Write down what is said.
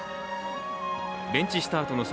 ベンチスタートの際